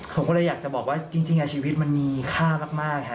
ผมก็เลยอยากจะบอกว่าจริงชีวิตมันมีค่ามาก